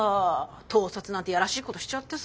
盗撮なんてやらしいことしちゃってさ。